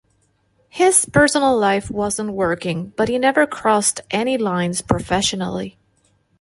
His personal life wasn't working but he never crossed any lines professionally.